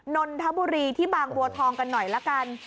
นนทบุรีที่บางบัวทองกันหน่อยละกัน